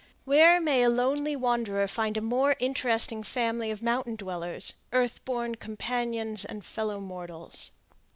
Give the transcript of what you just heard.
Where may lonely wanderer find a more interesting family of mountain dwellers, earth born companions and fellow mortals?